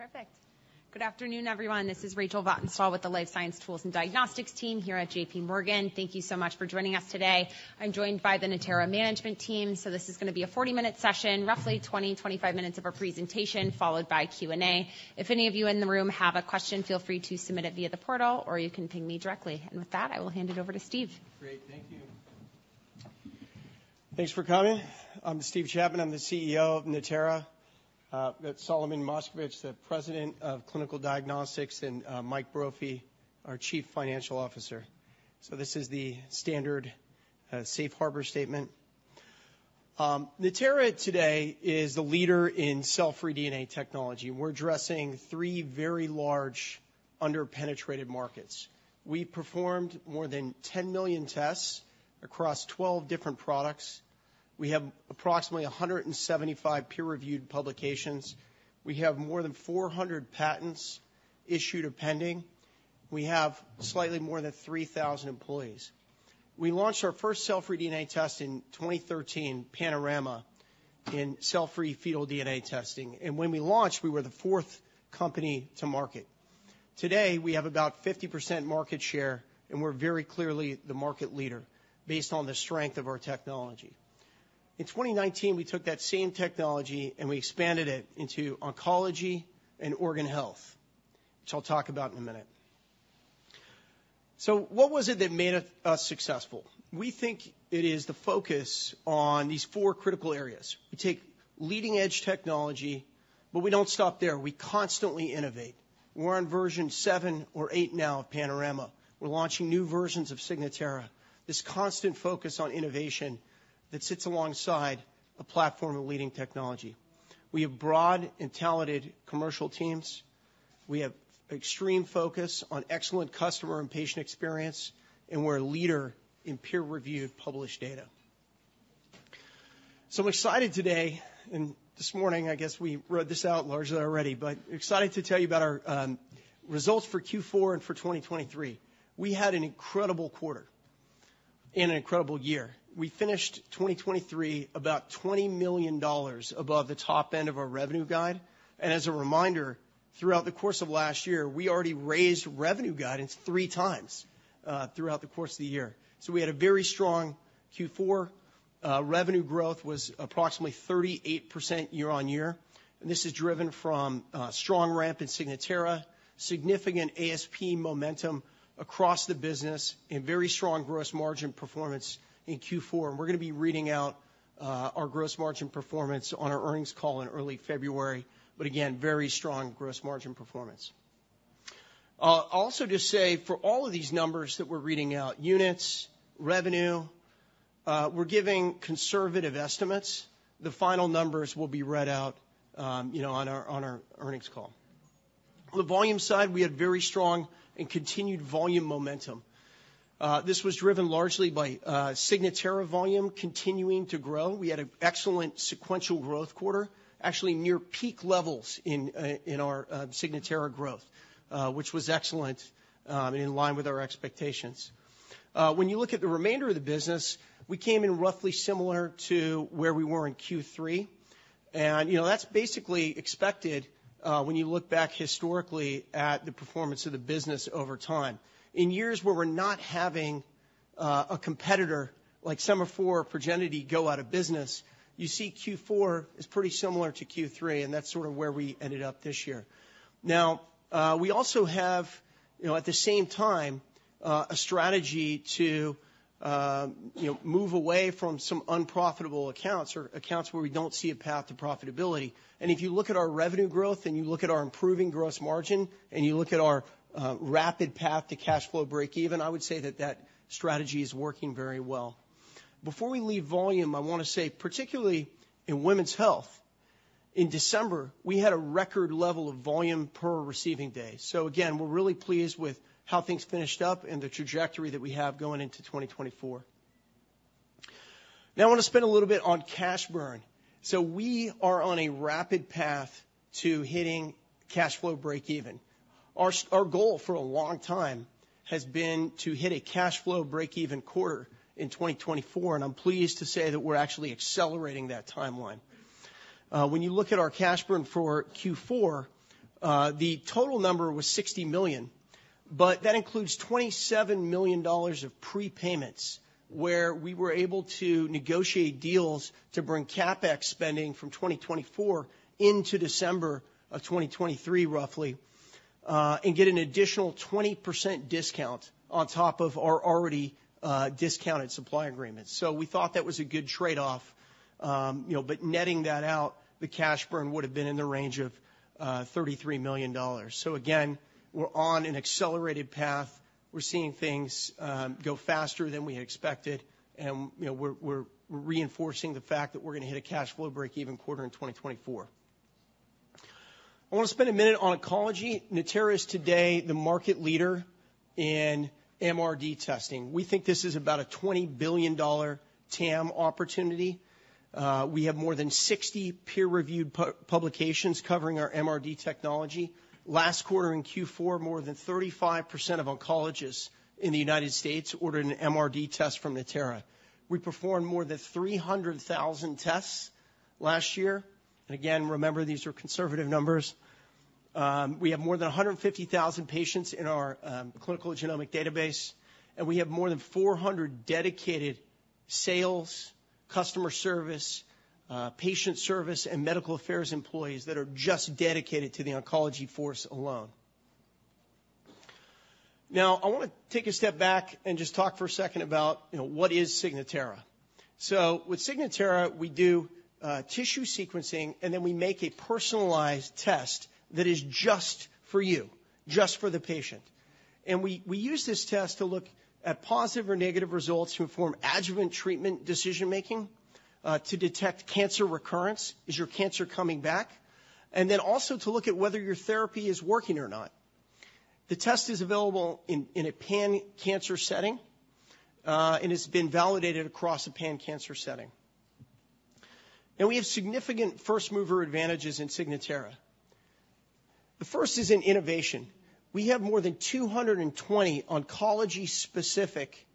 Perfect. Good afternoon, everyone. This is Rachel Vatnsdal with the Life Science Tools and Diagnostics team here at J.P. Morgan. Thank you so much for joining us today. I'm joined by the Natera management team, so this is going to be a 40-minute session, roughly 20-25 minutes of our presentation, followed by Q&A. If any of you in the room have a question, feel free to submit it via the portal, or you can ping me directly. With that, I will hand it over to Steve. Great, thank you. Thanks for coming. I'm Steve Chapman, I'm the CEO of Natera, that's Solomon Moshkevich, the President of Clinical Diagnostics, and Mike Brophy, our Chief Financial Officer. This is the standard, safe harbor statement. Natera today is the leader in cell-free DNA technology. We're addressing three very large under-penetrated markets. We performed more than 10 million tests across 12 different products. We have approximately 175 peer-reviewed publications. We have more than 400 patents issued or pending. We have slightly more than 3,000 employees. We launched our first cell-free DNA test in 2013, Panorama, in cell-free fetal DNA testing, and when we launched, we were the fourth company to market. Today, we have about 50% market share, and we're very clearly the market leader based on the strength of our technology. In 2019, we took that same technology, and we expanded it into Oncology and Organ Health, which I'll talk about in a minute. So what was it that made us, us successful? We think it is the focus on these four critical areas. We take leading-edge technology, but we don't stop there. We constantly innovate. We're on version 7 or 8 now of Panorama. We're launching new versions of Signatera, this constant focus on innovation that sits alongside a platform of leading technology. We have broad and talented commercial teams. We have extreme focus on excellent customer and patient experience, and we're a leader in peer-reviewed, published data. So I'm excited today, and this morning, I guess we read this out largely already, but excited to tell you about our, results for Q4 and for 2023. We had an incredible quarter and an incredible year. We finished 2023, about $20 million above the top end of our revenue guide, and as a reminder, throughout the course of last year, we already raised revenue guidance three times throughout the course of the year. So we had a very strong Q4. Revenue growth was approximately 38% year on year, and this is driven from strong ramp in Signatera, significant ASP momentum across the business, and very strong gross margin performance in Q4. And we're going to be reading out our gross margin performance on our earnings call in early February, but again, very strong gross margin performance. Also to say, for all of these numbers that we're reading out, units, revenue, we're giving conservative estimates. The final numbers will be read out, you know, on our earnings call. On the volume side, we had very strong and continued volume momentum. This was driven largely by Signatera volume continuing to grow. We had an excellent sequential growth quarter, actually near peak levels in our Signatera growth, which was excellent, and in line with our expectations. When you look at the remainder of the business, we came in roughly similar to where we were in Q3, and, you know, that's basically expected, when you look back historically at the performance of the business over time. In years where we're not having a competitor like Sema4, Progenity, go out of business, you see Q4 is pretty similar to Q3, and that's sort of where we ended up this year. Now, we also have, you know, at the same time, a strategy to, you know, move away from some unprofitable accounts or accounts where we don't see a path to profitability. And if you look at our revenue growth, and you look at our improving gross margin, and you look at our rapid path to cash flow break even, I would say that that strategy is working very well. Before we leave volume, I want to say, particularly in women's health, in December, we had a record level of volume per receiving day. So again, we're really pleased with how things finished up and the trajectory that we have going into 2024. Now, I want to spend a little bit on cash burn. So we are on a rapid path to hitting cash flow break even. Our goal for a long time has been to hit a cash flow break even quarter in 2024, and I'm pleased to say that we're actually accelerating that timeline. When you look at our cash burn for Q4, the total number was $60 million, but that includes $27 million of prepayments, where we were able to negotiate deals to bring CapEx spending from 2024 into December of 2023, roughly, and get an additional 20% discount on top of our already discounted supply agreements. So we thought that was a good trade-off, you know, but netting that out, the cash burn would have been in the range of $33 million. So again, we're on an accelerated path. We're seeing things go faster than we had expected, and, you know, we're, we're reinforcing the fact that we're going to hit a cash flow break-even quarter in 2024. I want to spend a minute on Oncology. Natera is today the market leader in MRD testing. We think this is about a $20 billion TAM opportunity. We have more than 60 peer-reviewed publications covering our MRD technology. Last quarter, in Q4, more than 35% of oncologists in the United States ordered an MRD test from Natera. We performed more than 300,000 tests last year. And again, remember, these are conservative numbers.... We have more than 150,000 patients in our clinical genomic database, and we have more than 400 dedicated sales, customer service, patient service, and medical affairs employees that are just dedicated to the Oncology force alone. Now, I want to take a step back and just talk for a second about, you know, what is Signatera? So with Signatera, we do tissue sequencing, and then we make a personalized test that is just for you, just for the patient. And we use this test to look at positive or negative results to inform adjuvant treatment decision-making, to detect cancer recurrence, is your cancer coming back? And then also to look at whether your therapy is working or not. The test is available in a pan-cancer setting, and it's been validated across a pan-cancer setting. We have significant first-mover advantages in Signatera. The first is in innovation. We have more than 220 Oncology-specific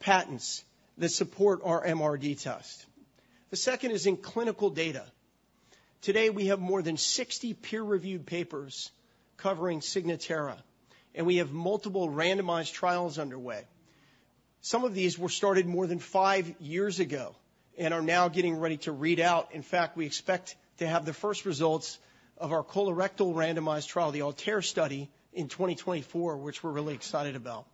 patents that support our MRD test. The second is in clinical data. Today, we have more than 60 peer-reviewed papers covering Signatera, and we have multiple randomized trials underway. Some of these were started more than five years ago and are now getting ready to read out. In fact, we expect to have the first results of our colorectal randomized trial, the ALTAIR study, in 2024, which we're really excited about.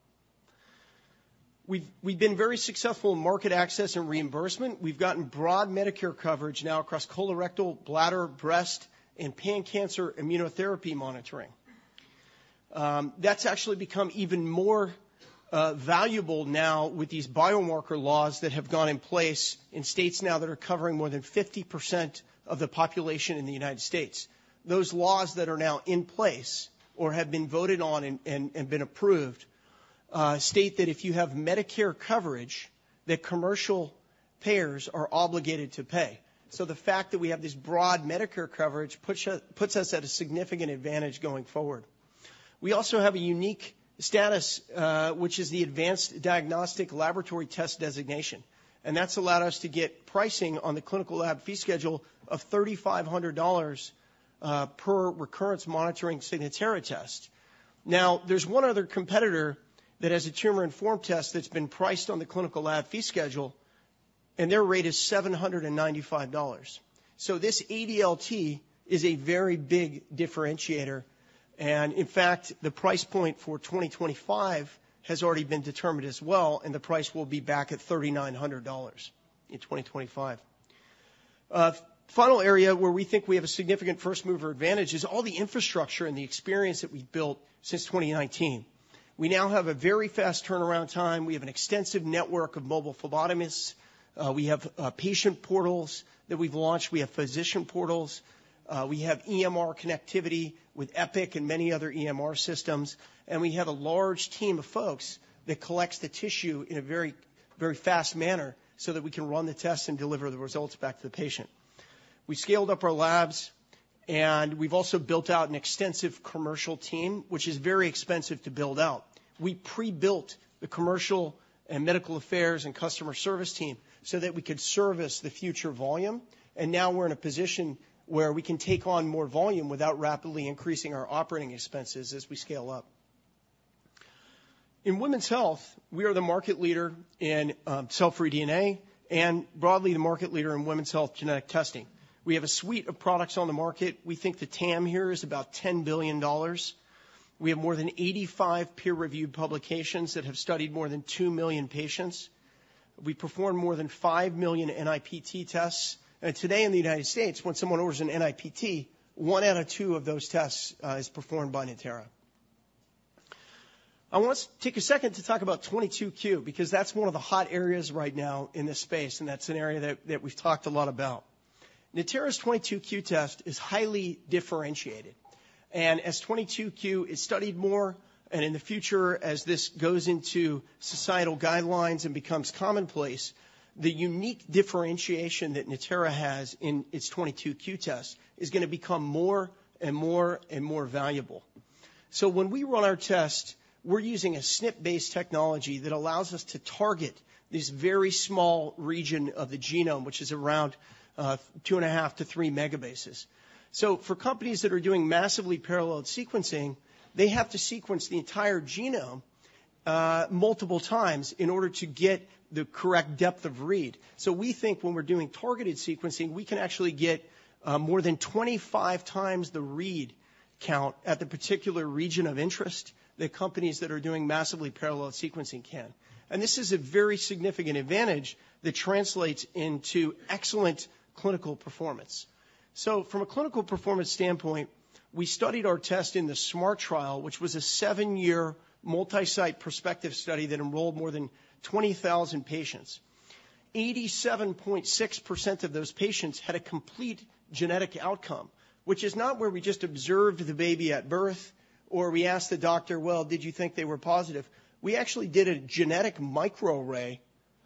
We've been very successful in market access and reimbursement. We've gotten broad Medicare coverage now across colorectal, bladder, breast, and pan-cancer immunotherapy monitoring. That's actually become even more valuable now with these biomarker laws that have gone in place in states now that are covering more than 50% of the population in the United States. Those laws that are now in place or have been voted on and been approved state that if you have Medicare coverage, that commercial payers are obligated to pay. So the fact that we have this broad Medicare coverage puts us at a significant advantage going forward. We also have a unique status, which is the Advanced Diagnostic Laboratory Test designation, and that's allowed us to get pricing on the Clinical Lab Fee Schedule of $3,500 per recurrence monitoring Signatera test. Now, there's one other competitor that has a tumor-informed test that's been priced on the Clinical Lab Fee Schedule, and their rate is $795. So this ADLT is a very big differentiator, and in fact, the price point for 2025 has already been determined as well, and the price will be back at $3,900 in 2025. Final area where we think we have a significant first-mover advantage is all the infrastructure and the experience that we've built since 2019. We now have a very fast turnaround time. We have an extensive network of mobile phlebotomists. We have patient portals that we've launched. We have physician portals. We have EMR connectivity with Epic and many other EMR systems, and we have a large team of folks that collects the tissue in a very, very fast manner so that we can run the tests and deliver the results back to the patient. We scaled up our labs, and we've also built out an extensive commercial team, which is very expensive to build out. We pre-built the commercial and medical affairs and customer service team so that we could service the future volume, and now we're in a position where we can take on more volume without rapidly increasing our operating expenses as we scale up. In women's health, we are the market leader in cell-free DNA and broadly the market leader in women's health genetic testing. We have a suite of products on the market. We think the TAM here is about $10 billion. We have more than 85 peer-reviewed publications that have studied more than 2 million patients. We perform more than 5 million NIPT tests, and today in the United States, when someone orders an NIPT, one out of two of those tests is performed by Natera. I want to take a second to talk about 22q, because that's one of the hot areas right now in this space, and that's an area that we've talked a lot about. Natera 22q test is highly differentiated, and as 22q is studied more, and in the future, as this goes into societal guidelines and becomes commonplace, the unique differentiation that Natera has in its 22q test is going to become more and more and more valuable. So when we run our test, we're using a SNP-based technology that allows us to target this very small region of the genome, which is around 2.5-3 megabases. So for companies that are doing massively parallel sequencing, they have to sequence the entire genome multiple times in order to get the correct depth of read. So we think when we're doing targeted sequencing, we can actually get more than 25 times the read count at the particular region of interest than companies that are doing massively parallel sequencing can. And this is a very significant advantage that translates into excellent clinical performance. So from a clinical performance standpoint, we studied our test in the SMART Trial, which was a 7-year, multi-site prospective study that enrolled more than 20,000 patients. 87.6% of those patients had a complete genetic outcome, which is not where we just observed the baby at birth, or we asked the doctor, "Well, did you think they were positive?" We actually did a genetic microarray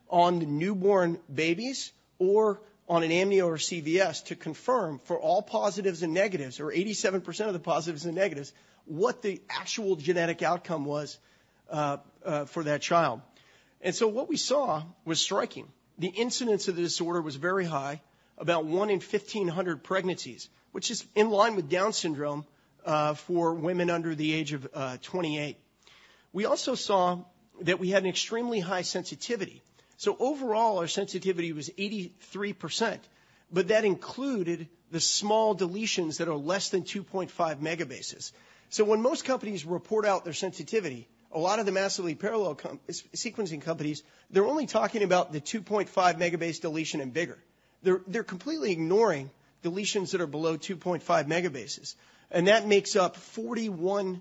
on the newborn babies or on an amnio or CVS to confirm for all positives and negatives, or 87% of the positives and negatives, what the actual genetic outcome was, for that child. And so what we saw was striking. The incidence of the disorder was very high, about 1 in 1,500 pregnancies, which is in line with Down syndrome, for women under the age of 28. We also saw that we had an extremely high sensitivity. So overall, our sensitivity was 83%, but that included the small deletions that are less than 2.5 megabases. So when most companies report out their sensitivity, a lot of the massively parallel sequencing companies, they're only talking about the 2.5 megabase deletion and bigger. They're completely ignoring deletions that are below 2.5 megabases, and that makes up 41%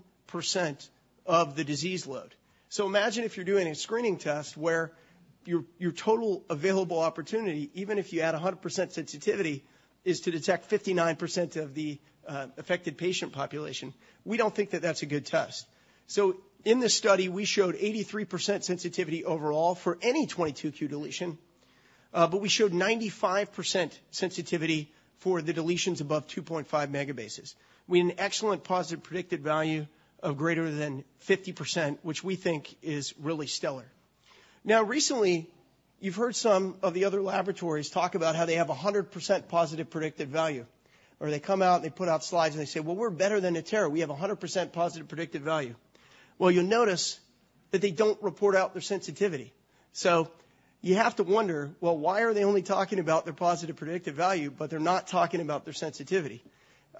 of the disease load. Imagine if you're doing a screening test where your total available opportunity, even if you had 100% sensitivity, is to detect 59% of the affected patient population. We don't think that that's a good test. In this study, we showed 83% sensitivity overall for any 22q deletion, but we showed 95% sensitivity for the deletions above 2.5 megabases, with an excellent positive predictive value of greater than 50%, which we think is really stellar. Now, recently, you've heard some of the other laboratories talk about how they have a 100% positive predictive value, or they come out and they put out slides, and they say, "Well, we're better than Natera. We have a 100% positive predictive value." Well, you'll notice that they don't report out their sensitivity. So you have to wonder, well, why are they only talking about their positive predictive value, but they're not talking about their sensitivity?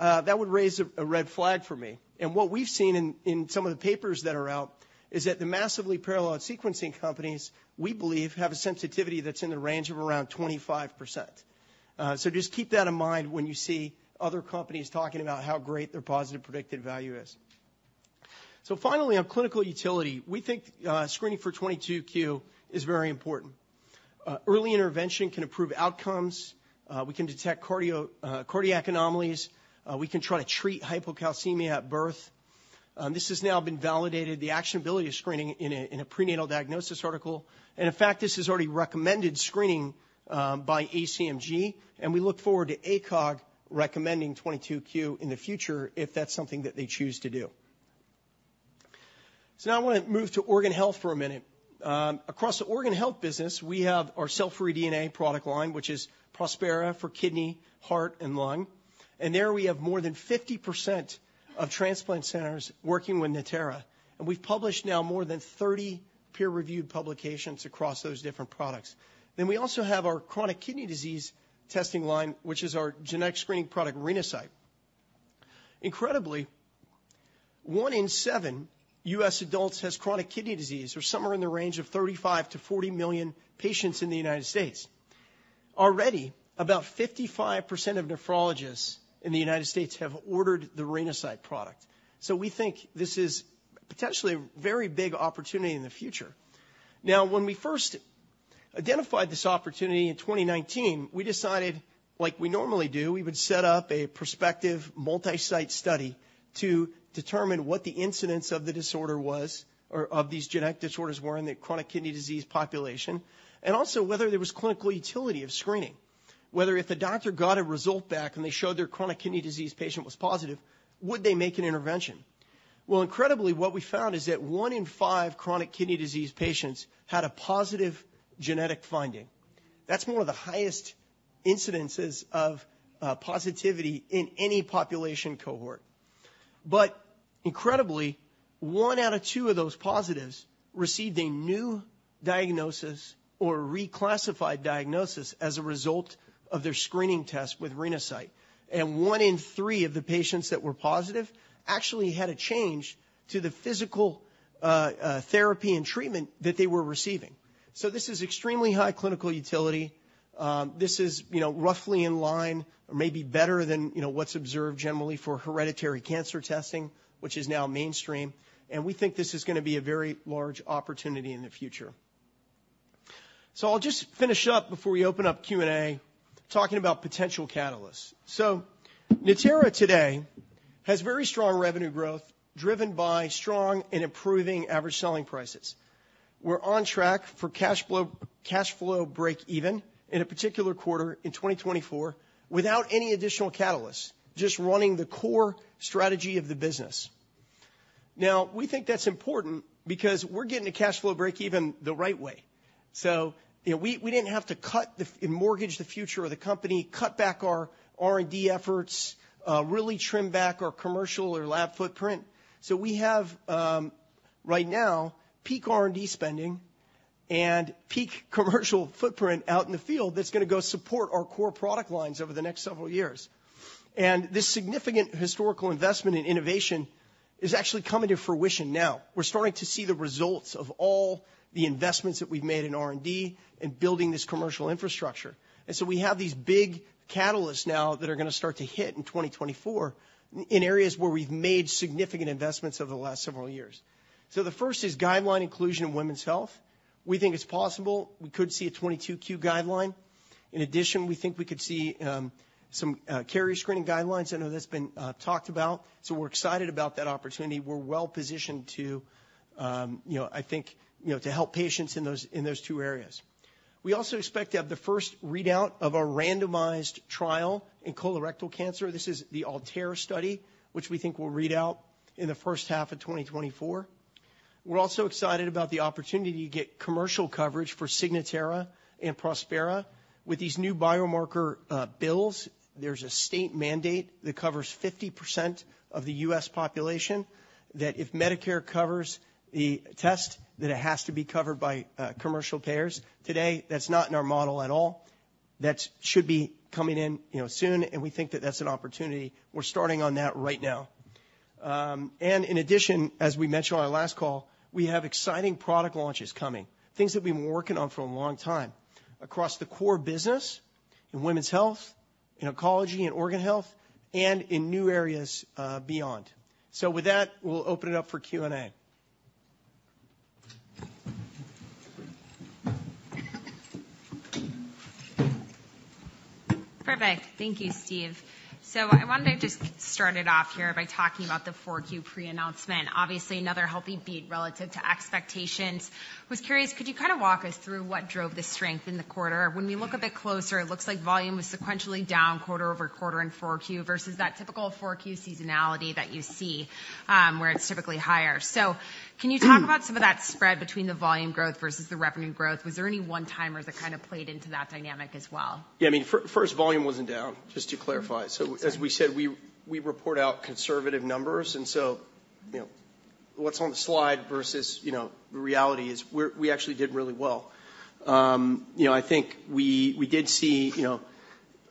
That would raise a red flag for me. And what we've seen in some of the papers that are out is that the massively parallel sequencing companies, we believe, have a sensitivity that's in the range of around 25%. So just keep that in mind when you see other companies talking about how great their positive predictive value is. So finally, on clinical utility, we think, screening for 22q is very important. Early intervention can improve outcomes, we can detect cardiac anomalies, we can try to treat hypocalcemia at birth. This has now been validated, the actionability of screening in a prenatal diagnosis article, and in fact, this is already recommended screening, by ACMG, and we look forward to ACOG recommending 22q in the future if that's something that they choose to do. So now I want to move to Organ Health for a minute. Across the Organ Health business, we have our cell-free DNA product line, which is Prospera for kidney, heart, and lung. And there we have more than 50% of transplant centers working with Natera, and we've published now more than 30 peer-reviewed publications across those different products. Then we also have our chronic kidney disease testing line, which is our genetic screening product, Renasight. Incredibly, one in seven U.S. adults has chronic kidney disease, or somewhere in the range of 35-40 million patients in the United States. Already, about 55% of nephrologists in the United States have ordered the Renasight product. So we think this is potentially a very big opportunity in the future. Now, when we first identified this opportunity in 2019, we decided, like we normally do, we would set up a prospective multi-site study to determine what the incidence of the disorder was, or of these genetic disorders were in the chronic kidney disease population, and also whether there was clinical utility of screening. Whether if a doctor got a result back and they showed their chronic kidney disease patient was positive, would they make an intervention? Well, incredibly, what we found is that 1 in 5 chronic kidney disease patients had a positive genetic finding. That's more than the highest incidence of positivity in any population cohort. But incredibly, 1 out of 2 of those positives received a new diagnosis or reclassified diagnosis as a result of their screening test with Renasight, and 1 in 3 of the patients that were positive actually had a change to the physical therapy and treatment that they were receiving. So this is extremely high clinical utility. This is, you know, roughly in line or maybe better than, you know, what's observed generally for hereditary cancer testing, which is now mainstream. And we think this is gonna be a very large opportunity in the future. So I'll just finish up before we open up Q&A, talking about potential catalysts. So Natera today has very strong revenue growth, driven by strong and improving average selling prices. We're on track for cash flow break even in a particular quarter in 2024, without any additional catalysts, just running the core strategy of the business. Now, we think that's important because we're getting to cash flow break even the right way. So, you know, we didn't have to mortgage the future of the company, cut back our R&D efforts, really trim back our commercial or lab footprint. So we have, right now, peak R&D spending and peak commercial footprint out in the field that's gonna support our core product lines over the next several years. And this significant historical investment in innovation is actually coming to fruition now. We're starting to see the results of all the investments that we've made in R&D and building this commercial infrastructure. So we have these big catalysts now that are gonna start to hit in 2024 in areas where we've made significant investments over the last several years. The first is guideline inclusion in women's health. We think it's possible we could see a 22q guideline. In addition, we think we could see some carrier screening guidelines. I know that's been talked about, so we're excited about that opportunity. We're well positioned to, you know, I think, you know, to help patients in those two areas. We also expect to have the first readout of a randomized trial in colorectal cancer. This is the ALTAIR study, which we think will read out in the first half of 2024. We're also excited about the opportunity to get commercial coverage for Signatera and Prospera. With these new biomarker bills, there's a state mandate that covers 50% of the U.S. population, that if Medicare covers the test, then it has to be covered by commercial payers. Today, that's not in our model at all. That should be coming in, you know, soon, and we think that that's an opportunity. We're starting on that right now. And in addition, as we mentioned on our last call, we have exciting product launches coming, things that we've been working on for a long time, across the core business, in women's health, in Oncology and Organ Health, and in new areas beyond. So with that, we'll open it up for Q&A. Perfect. Thank you, Steve. So I wanted to just get started off here by talking about the 4Q pre-announcement. Obviously, another healthy beat relative to expectations. Was curious, could you kind of walk us through what drove the strength in the quarter? When we look a bit closer, it looks like volume was sequentially down quarter-over-quarter in 4Q versus that typical 4Q seasonality that you see, where it's typically higher. So can you talk about some of that spread between the volume growth versus the revenue growth? Was there any one-timers that kind of played into that dynamic as well? Yeah, I mean, first, volume wasn't down, just to clarify. So as we said, we report out conservative numbers, and so, you know, what's on the slide versus, you know, the reality is we're—we actually did really well. You know, I think we did see, you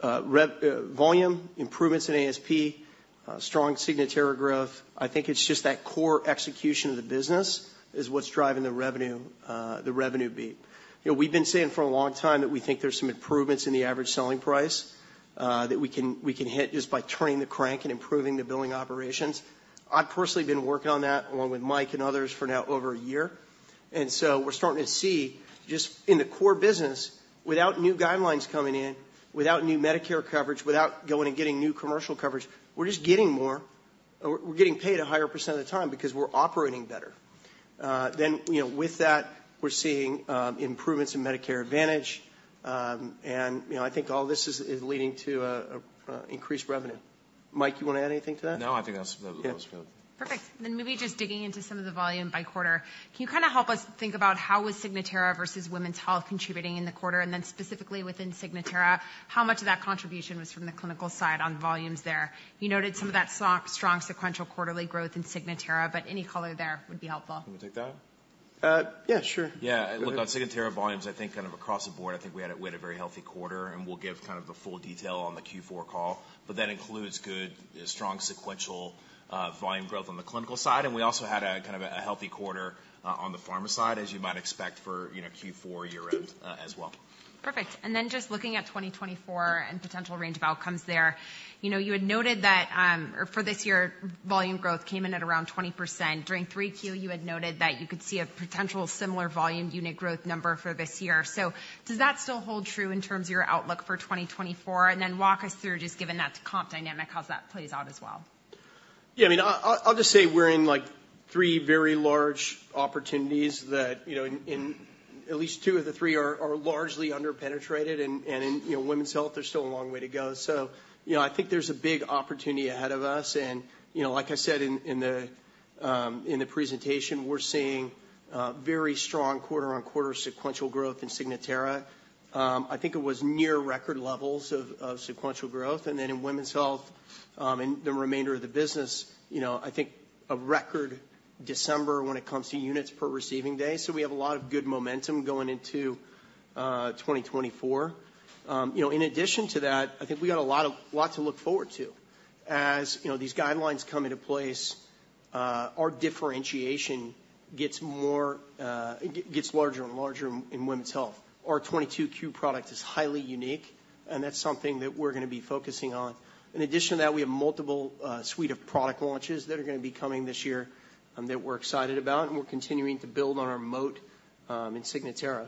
know, revenue volume improvements in ASP, strong Signatera growth. I think it's just that core execution of the business is what's driving the revenue, the revenue beat. You know, we've been saying for a long time that we think there's some improvements in the average selling price, that we can hit just by turning the crank and improving the billing operations. I've personally been working on that, along with Mike and others, for now over a year, and so we're starting to see, just in the core business, without new guidelines coming in, without new Medicare coverage, without going and getting new commercial coverage, we're just getting more. We're getting paid a higher percent of the time because we're operating better. Then, you know, with that, we're seeing improvements in Medicare Advantage. And, you know, I think all this is leading to increased revenue. Mike, you wanna add anything to that? No, I think that's, that was good. Yeah. Perfect. Then maybe just digging into some of the volume by quarter. Can you kind of help us think about how was Signatera versus Women's Health contributing in the quarter? And then specifically within Signatera, how much of that contribution was from the clinical side on volumes there? You noted some of that strong sequential quarterly growth in Signatera, but any color there would be helpful. You want me to take that? Yeah, sure. Yeah. Go ahead. Look, on Signatera volumes, I think kind of across the board, I think we had a very healthy quarter, and we'll give kind of the full detail on the Q4 call. But that includes good, strong, sequential volume growth on the clinical side, and we also had kind of a healthy quarter on the pharma side, as you might expect for, you know, Q4 year-end, as well. Perfect. And then just looking at 2024 and potential range of outcomes there. You know, you had noted that, or for this year, volume growth came in at around 20%. During 3Q, you had noted that you could see a potential similar volume unit growth number for this year. So does that still hold true in terms of your outlook for 2024? And then walk us through, just given that comp dynamic, how that plays out as well. Yeah, I mean, I'll just say we're in, like, three very large opportunities that, you know, and at least two of the three are largely under-penetrated, and in, you know, women's health, there's still a long way to go. So, you know, I think there's a big opportunity ahead of us, and, you know, like I said in the presentation, we're seeing very strong quarter-on-quarter sequential growth in Signatera. I think it was near record levels of sequential growth. And then in women's health and the remainder of the business, you know, I think a record December when it comes to units per receiving day, so we have a lot of good momentum going into 2024. You know, in addition to that, I think we got a lot to look forward to. As you know, these guidelines come into place, our differentiation gets more, gets larger and larger in women's health. Our 22q product is highly unique, and that's something that we're gonna be focusing on. In addition to that, we have multiple suite of product launches that are gonna be coming this year, that we're excited about, and we're continuing to build on our moat in Signatera.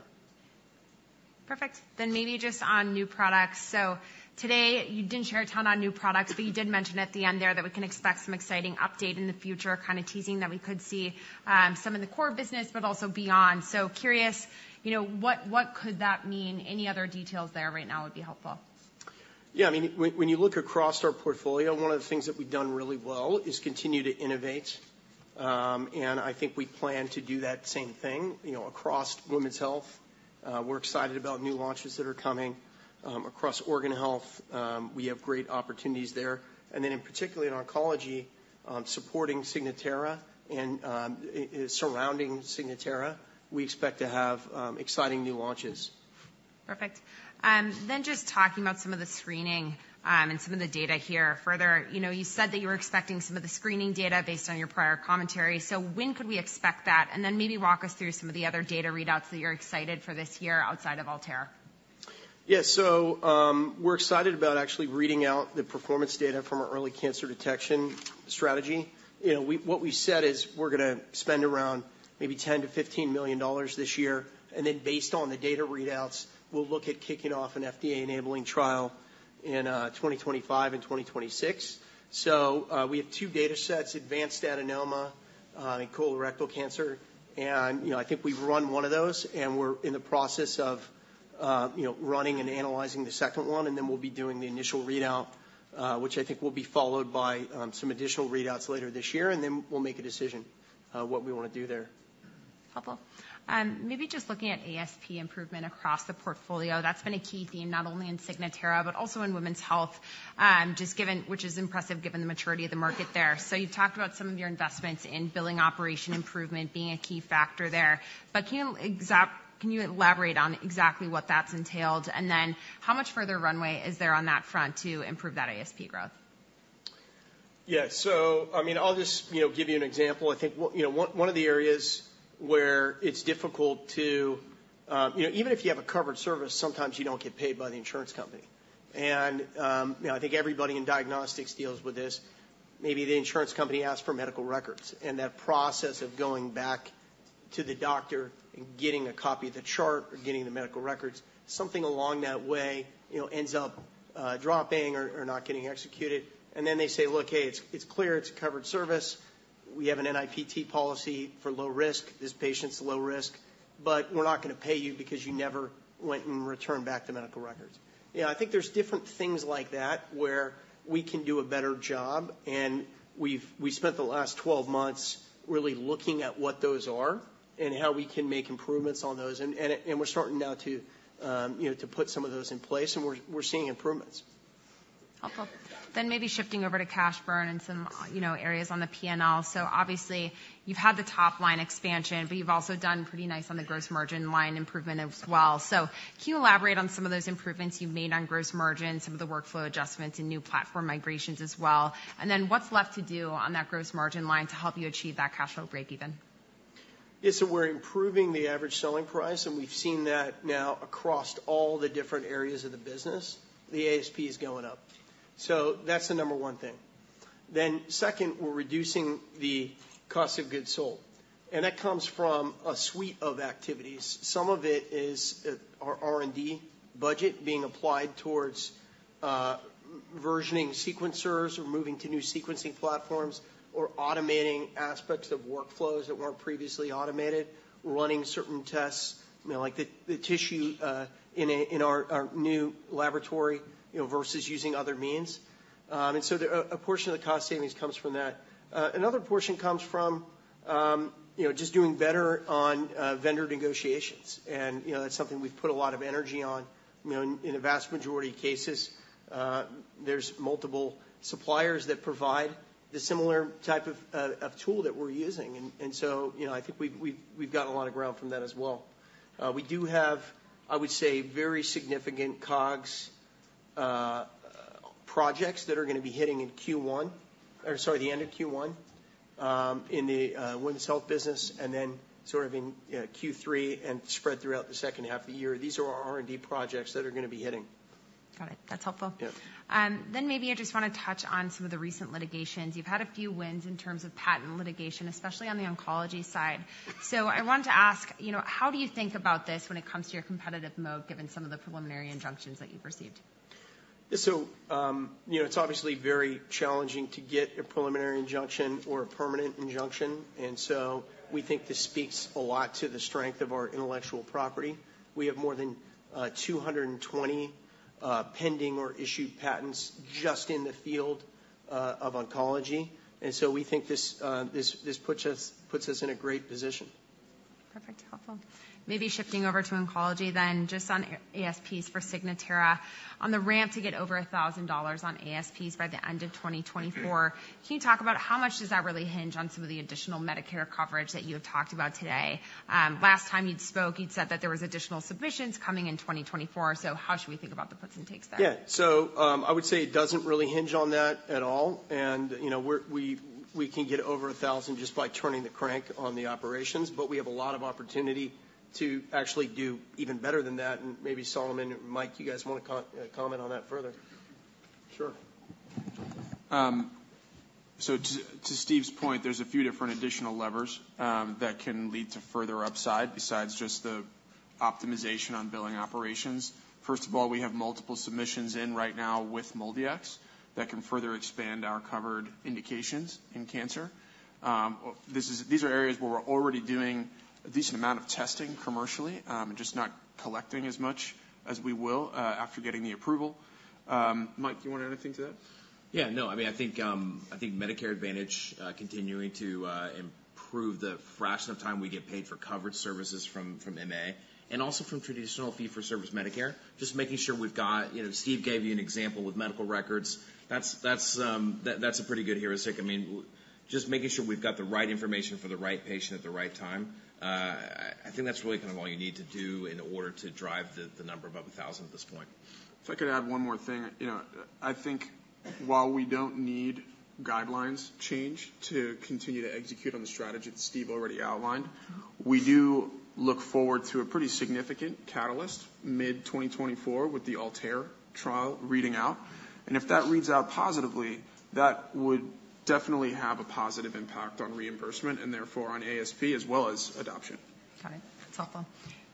Perfect. Then maybe just on new products. So today, you didn't share a ton on new products, but you did mention at the end there that we can expect some exciting update in the future, kind of teasing that we could see some in the core business, but also beyond. So curious, you know, what, what could that mean? Any other details there right now would be helpful. Yeah, I mean, when you look across our portfolio, one of the things that we've done really well is continue to innovate. And I think we plan to do that same thing, you know, across women's health. We're excited about new launches that are coming. Across Organ Health, we have great opportunities there, and then in particular in Oncology, supporting Signatera and surrounding Signatera, we expect to have exciting new launches. Perfect. Then just talking about some of the screening, and some of the data here further. You know, you said that you were expecting some of the screening data based on your prior commentary, so when could we expect that? And then maybe walk us through some of the other data readouts that you're excited for this year outside of ALTAIR. Yeah. So, we're excited about actually reading out the performance data from our early cancer detection strategy. You know, what we've said is we're gonna spend around maybe $10-$15 million this year, and then based on the data readouts, we'll look at kicking off an FDA-enabling trial in 2025 and 2026. So, we have two data sets, advanced adenoma and colorectal cancer, and, you know, I think we've run one of those, and we're in the process of running and analyzing the second one, and then we'll be doing the initial readout, which I think will be followed by some additional readouts later this year, and then we'll make a decision what we wanna do there. Helpful. Maybe just looking at ASP improvement across the portfolio, that's been a key theme, not only in Signatera, but also in women's health. Just given which is impressive, given the maturity of the market there. So you've talked about some of your investments in billing operation improvement being a key factor there, but can you elaborate on exactly what that's entailed? And then how much further runway is there on that front to improve that ASP growth? Yeah. So, I mean, I'll just, you know, give you an example. I think, you know, one of the areas where it's difficult to... You know, even if you have a covered service, sometimes you don't get paid by the insurance company. And, you know, I think everybody in diagnostics deals with this. Maybe the insurance company asks for medical records, and that process of going back to the doctor and getting a copy of the chart or getting the medical records, something along that way, you know, ends up dropping or not getting executed. And then they say, "Look, hey, it's clear it's a covered service. We have an NIPT policy for low risk. This patient's low risk, but we're not gonna pay you because you never went and returned back the medical records." You know, I think there's different things like that where we can do a better job, and we've—we spent the last 12 months really looking at what those are and how we can make improvements on those. And we're starting now to, you know, to put some of those in place, and we're seeing improvements. Helpful. Then maybe shifting over to cash burn and some, you know, areas on the P&L. So obviously, you've had the top-line expansion, but you've also done pretty nice on the gross margin line improvement as well. So can you elaborate on some of those improvements you've made on gross margin, some of the workflow adjustments and new platform migrations as well? And then what's left to do on that gross margin line to help you achieve that cash flow breakeven? Yeah, so we're improving the average selling price, and we've seen that now across all the different areas of the business. The ASP is going up. So that's the number one thing. Then second, we're reducing the cost of goods sold, and that comes from a suite of activities. Some of it is, our R&D budget being applied towards, versioning sequencers or moving to new sequencing platforms or automating aspects of workflows that weren't previously automated, running certain tests, you know, like the tissue in our new laboratory, you know, versus using other means. And so the... a portion of the cost savings comes from that. Another portion comes from, you know, just doing better on, vendor negotiations. And, you know, that's something we've put a lot of energy on. You know, in a vast majority of cases, there's multiple suppliers that provide the similar type of tool that we're using. And so, you know, I think we've gotten a lot of ground from that as well. We do have, I would say, very significant COGS projects that are gonna be hitting in Q1 or, sorry, the end of Q1, in the women's health business, and then sort of in, you know, Q3 and spread throughout the second half of the year. These are our R&D projects that are gonna be hitting. Got it. That's helpful. Yeah. Then maybe I just wanna touch on some of the recent litigations. You've had a few wins in terms of patent litigation, especially on the Oncology side. So I wanted to ask, you know, how do you think about this when it comes to your competitive mode, given some of the preliminary injunctions that you've received? Yeah, so, you know, it's obviously very challenging to get a preliminary injunction or a permanent injunction, and so we think this speaks a lot to the strength of our intellectual property. We have more than 220 pending or issued patents just in the field of Oncology, and so we think this puts us in a great position. Perfect. Helpful. Maybe shifting over to Oncology then, just on ASPs for Signatera. On the ramp to get over $1,000 on ASPs by the end of 2024- Can you talk about how much does that really hinge on some of the additional Medicare coverage that you have talked about today? Last time you'd spoke, you'd said that there was additional submissions coming in 2024, so how should we think about the puts and takes there? Yeah. So, I would say it doesn't really hinge on that at all. And, you know, we can get over 1,000 just by turning the crank on the operations, but we have a lot of opportunity to actually do even better than that. And maybe Solomon, Mike, you guys wanna comment on that further? Sure. So to, to Steve's point, there's a few different additional levers that can lead to further upside, besides just the optimization on billing operations. First of all, we have multiple submissions in right now with MolDX that can further expand our covered indications in cancer. These are areas where we're already doing a decent amount of testing commercially, just not collecting as much as we will after getting the approval. Mike, do you want to add anything to that? Yeah. No, I mean, I think I think Medicare Advantage continuing to improve the fraction of time we get paid for coverage services from MA and also from traditional fee-for-service Medicare, just making sure we've got... You know, Steve gave you an example with medical records. That's, that's a pretty good heuristic. I mean, just making sure we've got the right information for the right patient at the right time, I think that's really kind of all you need to do in order to drive the number above a thousand at this point. If I could add one more thing. You know, I think while we don't need guidelines change to continue to execute on the strategy that Steve already outlined, we do look forward to a pretty significant catalyst mid-2024 with the ALTAIR trial reading out. And if that reads out positively, that would definitely have a positive impact on reimbursement and therefore on ASP as well as adoption. Got it. That's helpful.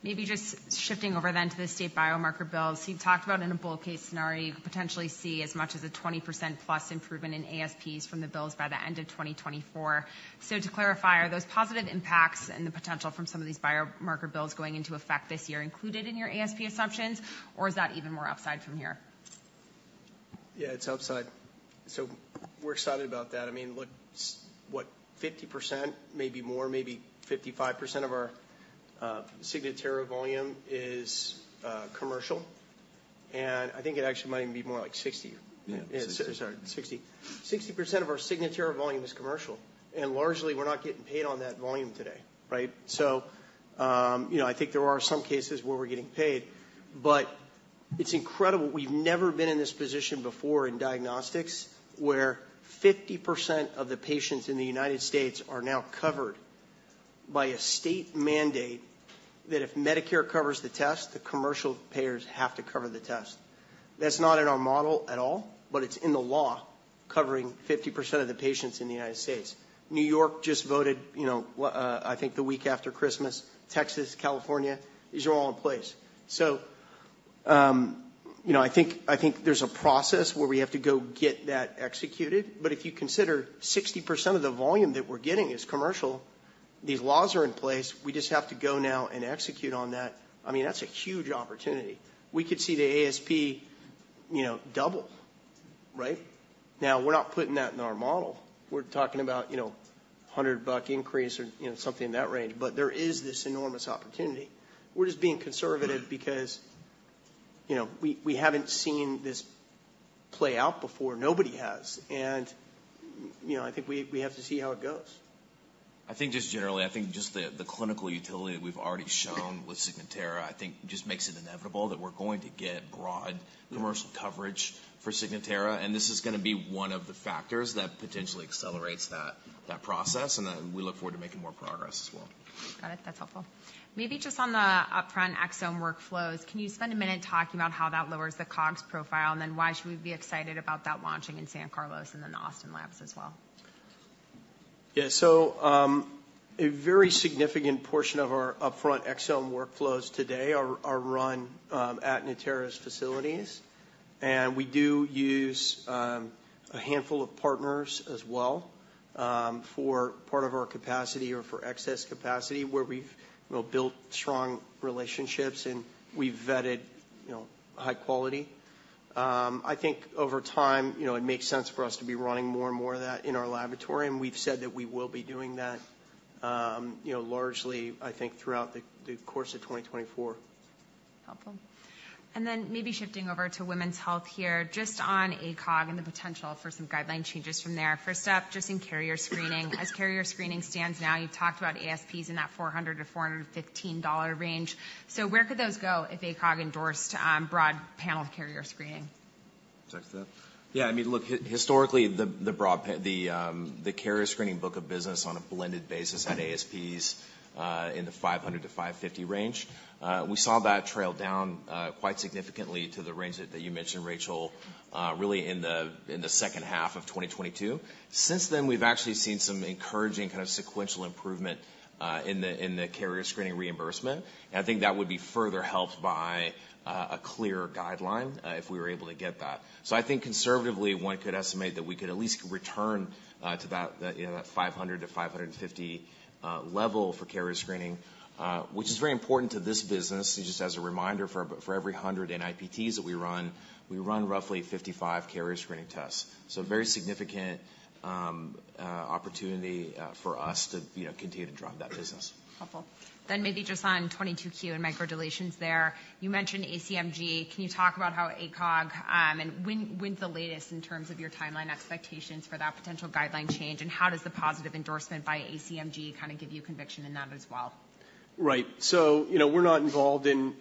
Maybe just shifting over then to the state biomarker bills. You talked about in a bull case scenario, you could potentially see as much as a 20%+ improvement in ASPs from the bills by the end of 2024. So to clarify, are those positive impacts and the potential from some of these biomarker bills going into effect this year included in your ASP assumptions, or is that even more upside from here?... Yeah, it's upside. So we're excited about that. I mean, look, what, 50%, maybe more, maybe 55% of our Signatera volume is commercial, and I think it actually might even be more like 60. Yeah. Sorry, 60. 60% of our Signatera volume is commercial, and largely, we're not getting paid on that volume today, right? So, you know, I think there are some cases where we're getting paid, but it's incredible. We've never been in this position before in diagnostics, where 50% of the patients in the United States are now covered by a state mandate, that if Medicare covers the test, the commercial payers have to cover the test. That's not in our model at all, but it's in the law, covering 50% of the patients in the United States. New York just voted, you know, I think the week after Christmas. Texas, California, these are all in place. So, you know, I think, I think there's a process where we have to go get that executed. But if you consider 60% of the volume that we're getting is commercial, these laws are in place, we just have to go now and execute on that. I mean, that's a huge opportunity. We could see the ASP, you know, double, right? Now, we're not putting that in our model. We're talking about, you know, $100 increase or, you know, something in that range, but there is this enormous opportunity. We're just being conservative because, you know, we, we haven't seen this play out before. Nobody has, and, you know, I think we, we have to see how it goes. I think generally, the clinical utility that we've already shown with Signatera makes it inevitable that we're going to get broad- Yeah... commercial coverage for Signatera, and this is gonna be one of the factors that potentially accelerates that process, and we look forward to making more progress as well. Got it. That's helpful. Maybe just on the upfront exome workflows, can you spend a minute talking about how that lowers the COGS profile? And then why should we be excited about that launching in San Carlos and then the Austin labs as well? Yeah. So, a very significant portion of our upfront exome workflows today are run at Natera's facilities, and we do use a handful of partners as well for part of our capacity or for excess capacity, where we've, you know, built strong relationships, and we've vetted, you know, high quality. I think over time, you know, it makes sense for us to be running more and more of that in our laboratory, and we've said that we will be doing that, you know, largely, I think, throughout the course of 2024. Helpful. Maybe shifting over to women's health here, just on ACOG and the potential for some guideline changes from there. First up, just in carrier screening. As carrier screening stands now, you've talked about ASPs in that $400-$415 dollar range. Where could those go if ACOG endorsed broad panel carrier screening? Check to that. Yeah, I mean, look, historically, the broad carrier screening book of business on a blended basis at ASPs in the $500-$550 range. We saw that trail down quite significantly to the range that you mentioned, Rachel, really in the second half of 2022. Since then, we've actually seen some encouraging kind of sequential improvement in the carrier screening reimbursement. And I think that would be further helped by a clear guideline if we were able to get that. So I think conservatively, one could estimate that we could at least return to that, you know, that $500-$550 level for carrier screening, which is very important to this business. Just as a reminder, for every 100 NIPTs that we run, we run roughly 55 carrier screening tests. So a very significant opportunity, for us to, you know, continue to drive that business. Helpful. Then maybe just on 22q and microdeletions there. You mentioned ACMG. Can you talk about how ACOG, and when, when's the latest in terms of your timeline expectations for that potential guideline change? And how does the positive endorsement by ACMG kind of give you conviction in that as well? Right. So, you know, we're not involved in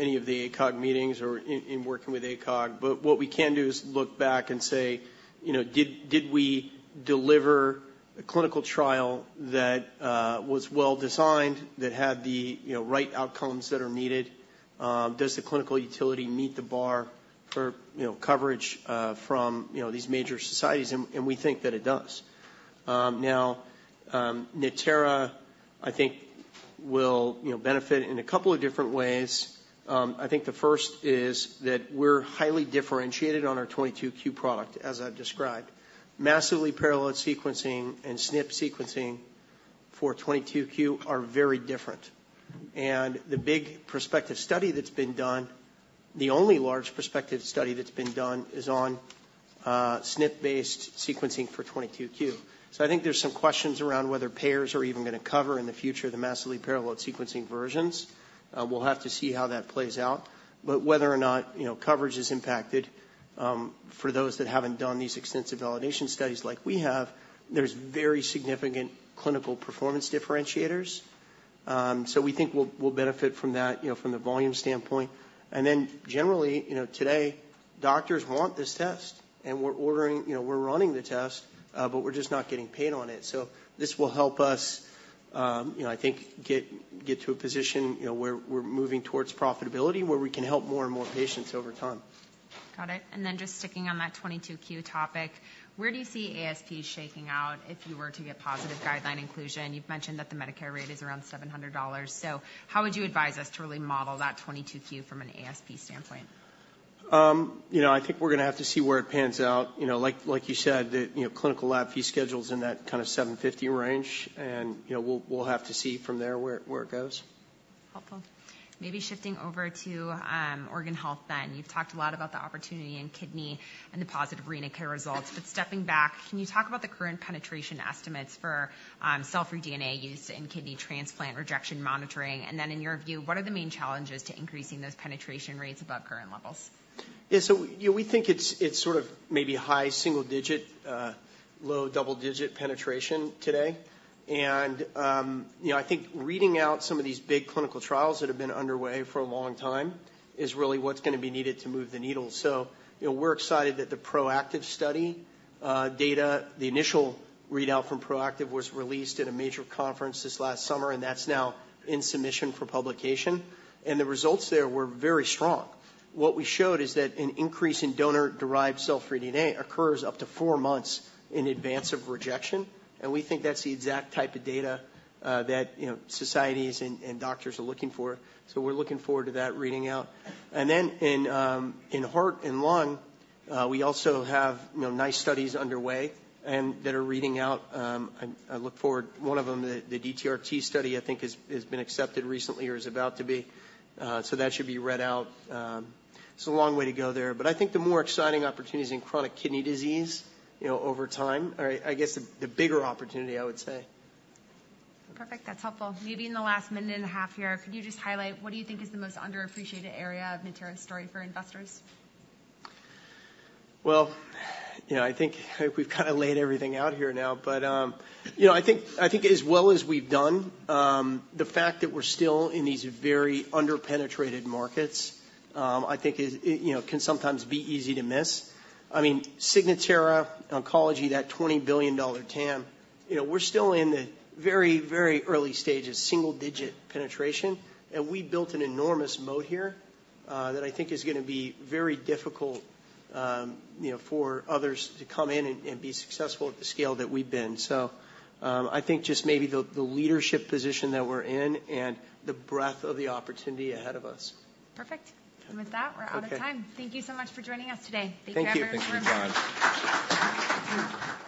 any of the ACOG meetings or in working with ACOG, but what we can do is look back and say, you know, "Did we deliver a clinical trial that was well-designed, that had the, you know, right outcomes that are needed? Does the clinical utility meet the bar for, you know, coverage from these major societies?" And we think that it does. Now, Natera, I think will, you know, benefit in a couple of different ways. I think the first is that we're highly differentiated on our 22q product, as I've described. Massively parallel sequencing and SNP sequencing for 22q are very different, and the big prospective study that's been done, the only large prospective study that's been done, is on SNP-based sequencing for 22q. So I think there's some questions around whether payers are even going to cover in the future the massively parallel sequencing versions. We'll have to see how that plays out. But whether or not, you know, coverage is impacted, for those that haven't done these extensive validation studies like we have, there's very significant clinical performance differentiators. So we think we'll, we'll benefit from that, you know, from the volume standpoint. And then generally, you know, today, doctors want this test, and we're ordering... You know, we're running the test, but we're just not getting paid on it. So this will help us, you know, I think get to a position, you know, where we're moving towards profitability, where we can help more and more patients over time. Got it. And then just sticking on that 22q topic, where do you see ASP shaking out if you were to get positive guideline inclusion? You've mentioned that the Medicare rate is around $700, so how would you advise us to really model that 22q from an ASP standpoint? You know, I think we're gonna have to see where it pans out. You know, like you said, the, you know, Clinical Lab Fee Schedule's in that kind of $750 range, and, you know, we'll have to see from there where it goes.... Helpful. Maybe shifting over to Organ Health then. You've talked a lot about the opportunity in kidney and the positive renal care results. But stepping back, can you talk about the current penetration estimates for cell-free DNA used in kidney transplant rejection monitoring? And then, in your view, what are the main challenges to increasing those penetration rates above current levels? Yeah, so, you know, we think it's, it's sort of maybe high single digit, low double-digit penetration today. And, you know, I think reading out some of these big clinical trials that have been underway for a long time is really what's gonna be needed to move the needle. So, you know, we're excited that the ProActive study data, the initial readout from ProActive, was released at a major conference this last summer, and that's now in submission for publication, and the results there were very strong. What we showed is that an increase in donor-derived cell-free DNA occurs up to four months in advance of rejection, and we think that's the exact type of data that, you know, societies and doctors are looking for. So we're looking forward to that reading out. Then in heart and lung, we also have, you know, nice studies underway and that are reading out. I look forward... One of them, the DTRT study, I think has been accepted recently or is about to be, so that should be read out. It's a long way to go there, but I think the more exciting opportunity is in chronic kidney disease, you know, over time, or I guess the bigger opportunity, I would say. Perfect. That's helpful. Maybe in the last minute and a half here, could you just highlight what do you think is the most underappreciated area of Natera's story for investors? Well, you know, I think we've kind of laid everything out here now, but, you know, I think, I think as well as we've done, the fact that we're still in these very underpenetrated markets, I think is, it, you know, can sometimes be easy to miss. I mean, Signatera Oncology, that $20 billion TAM, you know, we're still in the very, very early stages, single digit penetration, and we built an enormous moat here, that I think is gonna be very difficult, you know, for others to come in and, and be successful at the scale that we've been. So, I think just maybe the, the leadership position that we're in and the breadth of the opportunity ahead of us. Perfect. Okay. With that, we're out of time. Thank you so much for joining us today. Thank you. Thank you, everyone, so much.